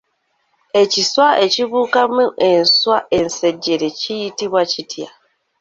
Ekiswa ekibuukamu enswa ensejjere kiyitibwa kitya?